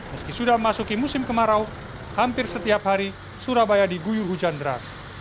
meski sudah memasuki musim kemarau hampir setiap hari surabaya diguyur hujan deras